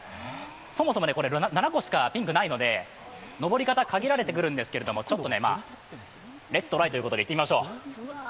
そもそも、これ７個しかピンクないので登り方、限られてくるんですがちょっと、レッツトライということでいってみましょう！